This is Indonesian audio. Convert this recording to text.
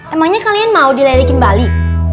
emangnya kalian mau di lerikin bali